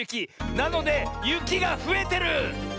なのでゆきがふえてる！